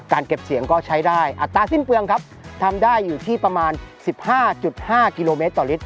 แต่ถ้าเก็บเสียงขึ้นก็ใช้ได้ความเราช่วยความแปลงอัตราสิ้นเปลืองทำได้อยู่ที่ประมาณ๑๕๕กิโลเมตร